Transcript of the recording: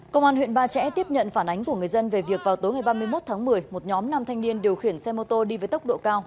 công an huyện ba trẻ tiếp nhận phản ánh của người dân về việc vào tối ba mươi một tháng một mươi một nhóm nam thanh niên điều khiển xe mô tô đi với tốc độ cao